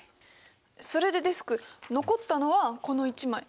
それでデスク残ったのはこの１枚。